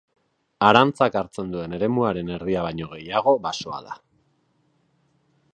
Arantzak hartzen duen eremuaren erdia baino gehiago basoa da.